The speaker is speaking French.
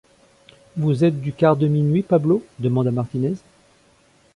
Vous êtes du quart de minuit, Pablo? demanda Martinez.